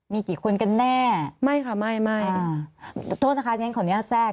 มีกี่คนกันแน่ไม่ค่ะไม่ไม่โทษนะคะเรียนขออนุญาตแทรก